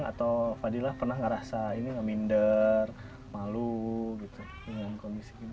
gilang atau fadila pernah ngerasa ini nggak minder malu gitu